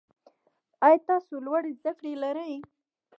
آیا تاسو لوړي زده کړي لرئ؟